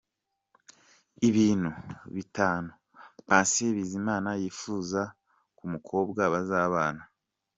Ibintu bitanu Patient Bizimana yifuza ku mukobwa bazabana.